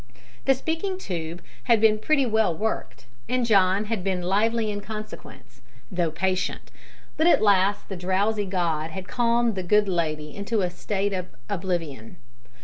The speaking tube had been pretty well worked, and John had been lively in consequence though patient but at last the drowsy god had calmed the good lady into a state of oblivion.